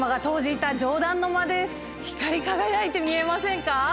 光り輝いて見えませんか？